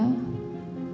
sudara tidak tahu